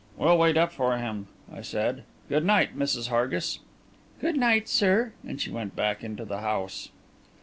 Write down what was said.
"We'll wait up for him," I said. "Good night, Mrs. Hargis." "Good night, sir," and she went back into the house.